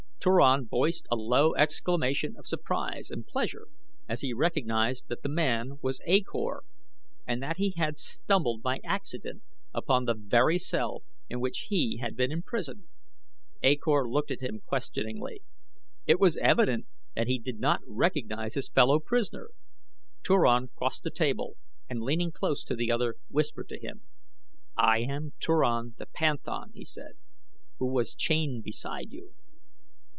Turan voiced a low exclamation of surprise and pleasure as he recognized that the man was A Kor, and that he had stumbled by accident upon the very cell in which he had been imprisoned. A Kor looked at him questioningly. It was evident that he did not recognize his fellow prisoner. Turan crossed to the table and leaning close to the other whispered to him. "I am Turan the panthan," he said, "who was chained beside you."